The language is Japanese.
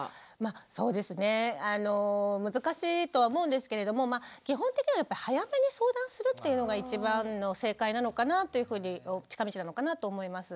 そうですね難しいとは思うんですけれども基本的には早めに相談するっていうのが一番の正解なのかなというふうに近道なのかなと思います。